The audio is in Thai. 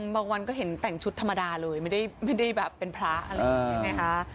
วันก็เห็นแต่งชุดธรรมดาเลยไม่ได้แบบเป็นพระอะไรอย่างนี้ใช่ไหมคะ